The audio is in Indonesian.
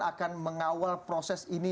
akan mengawal proses ini